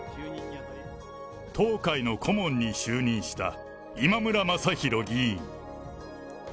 当会の顧問に就任した今村雅弘議員。